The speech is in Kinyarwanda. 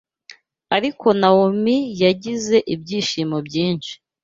Ariko Nawomi yagize ibyishimo byinshi